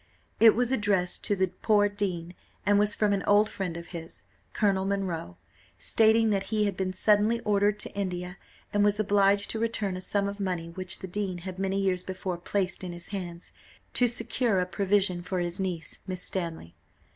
It was addressed to the poor dean, and was from an old friend of his, Colonel Munro, stating that he had been suddenly ordered to India, and was obliged to return a sum of money which the dean had many years before placed in his hands, to secure a provision for his niece, Miss Stanley.